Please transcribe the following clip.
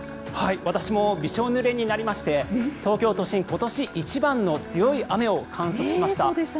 私もびしょぬれになりまして東京都心、今年一番の強い雨を観測しました。